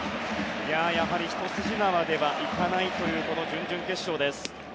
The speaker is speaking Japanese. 一筋縄ではいかないというこの準々決勝です。